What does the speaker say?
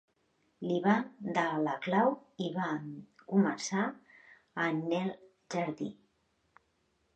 Li va dar la clau i van començar a n'el jardí